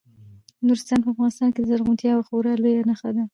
نورستان په افغانستان کې د زرغونتیا یوه خورا لویه نښه ده.